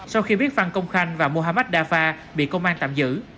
sau khi biết phan công khanh và muhammad dafa bị công an tạm giữ